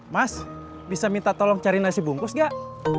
mas bisa minta tolong cari nasi bungkus gak